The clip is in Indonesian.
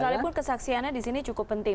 sekalipun kesaksiannya disini cukup penting